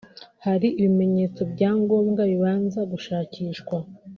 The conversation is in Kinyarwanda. hari ibimenyetso bya ngombwa bibanza gushakishwa